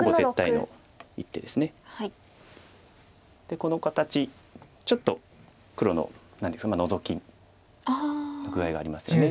この形ちょっと黒のノゾキ具合がありますよね。